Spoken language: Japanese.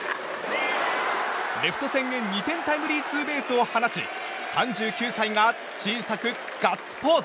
レフト線へ２点のタイムリーツーベースを放ち３９歳が小さくガッツポーズ。